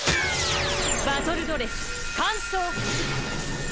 バトルドレス換装。